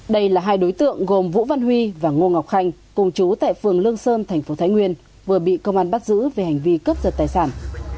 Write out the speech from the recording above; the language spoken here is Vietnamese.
đây là hai đối tượng gồm vũ văn huy và ngô ngọc khanh cùng chú tại phường lương sơn thành phố thái nguyên vừa bị công an bắt giữ về hành vi cướp giật tài sản